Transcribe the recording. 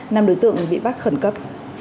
năm đối tượng bị bắt khẩn cấp